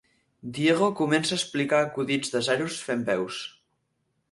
Diego comença a explicar acudits de zeros fent veus.